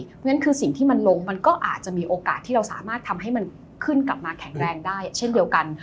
เพราะฉะนั้นคือสิ่งที่มันลงมันก็อาจจะมีโอกาสที่เราสามารถทำให้มันขึ้นกลับมาแข็งแรงได้เช่นเดียวกัน